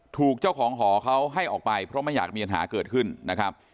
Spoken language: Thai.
ถูกเจ้าของหอเขาให้ออกไปเพราะไม่อยากมีปัญหาเกิดขึ้นนะครับ